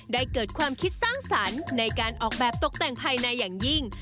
เกิดความคิดสร้างสรรค์ในการออกแบบตกแต่งภายในอย่างยิ่ง